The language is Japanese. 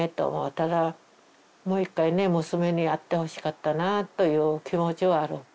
ただもう一回ね娘に会ってほしかったなという気持ちはある。